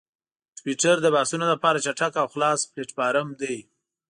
ټویټر د بحثونو لپاره چټک او خلاص پلیټفارم دی.